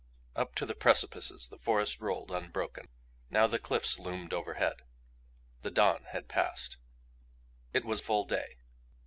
Up to the precipices the forest rolled, unbroken. Now the cliffs loomed overhead. The dawn had passed. It was full day.